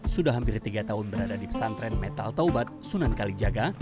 sudah hampir tiga tahun berada di pesantren metal taubat sunan kalijaga